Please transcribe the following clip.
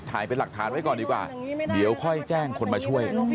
ถ่ายเป็นหลักฐานไว้ก่อนดีกว่าเดี๋ยวค่อยแจ้งคนมาช่วย